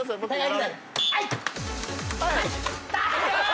はい！